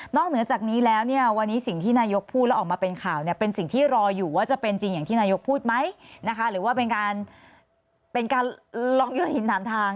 เหนือจากนี้แล้วเนี่ยวันนี้สิ่งที่นายกพูดแล้วออกมาเป็นข่าวเนี่ยเป็นสิ่งที่รออยู่ว่าจะเป็นจริงอย่างที่นายกพูดไหมนะคะหรือว่าเป็นการเป็นการลองโยนหินถามทาง